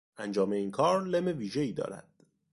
انجام این کار لم ویژهای دارد.